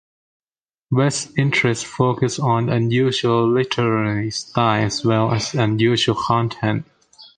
West's interests focused on unusual literary style as well as unusual content.